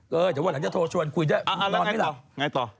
เดี๋ยววันหลังจะโทรชวนคุยได้นอนให้เราแล้วไงต่อ